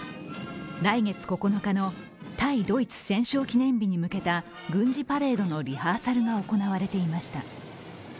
来月９日の対ドイツ戦勝記念日に向けた軍事パレードのリハーサルが行われていました。